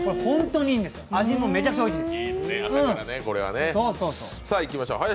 味もめちゃくちゃおいしいです。